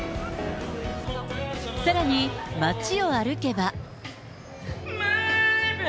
さらに街を歩けば。